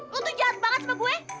lu tuh jahat banget sama gue